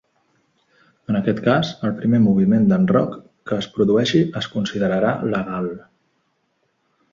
En aquest cas, el primer moviment d'enroc que es produeixi es considerarà legal.